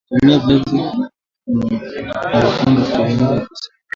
tumia Viazi vilivyopikwa na kupondwapondwa kutengeneza juisi